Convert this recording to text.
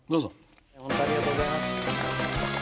本当ありがとうございます。